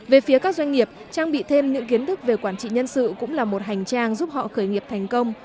về phía các doanh nghiệp trang bị thêm những kiến thức về quản trị nhân sự cũng là một hành trang giúp họ khởi nghiệp thành công